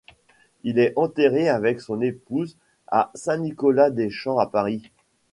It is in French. Il est enterré avec son épouse à Saint-Nicolas-des-Champs à Paris.